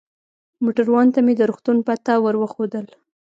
موټروان ته مې د روغتون پته ور وښودل.